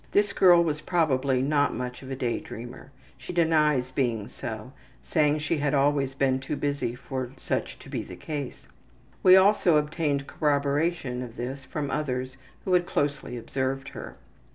This girl was probably not much of a day dreamer. She denies being so, saying she had always been too busy for such to be the case. We also obtained corroboration of this from others who had closely observed her.